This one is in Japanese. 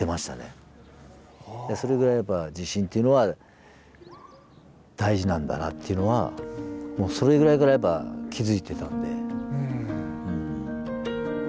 それぐらいやっぱ自信というのは大事なんだなっていうのはそれぐらいからやっぱ気付いてたんで。